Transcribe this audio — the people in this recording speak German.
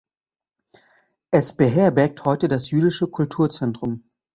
Es beherbergt heute das jüdische Kulturzentrum.